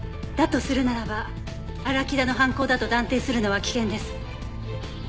だとするならば荒木田の犯行だと断定するのは危険です。